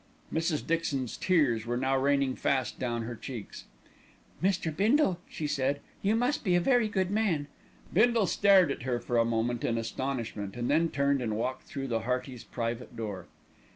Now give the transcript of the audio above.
Mrs. Dixon's tears were now raining fast down her cheeks. "Mr. Bindle," she said, "you must be a very good man." Bindle stared at her for a moment in astonishment, and then turned and walked through the Heartys' private door.